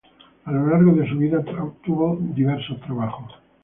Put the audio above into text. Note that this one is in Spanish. A lo largo de su vida tuvo diversos trabajos.